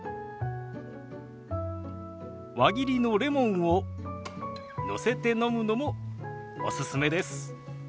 輪切りのレモンをのせて飲むのもおすすめです。